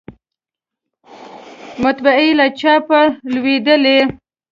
مطبعې له چاپ لویدلې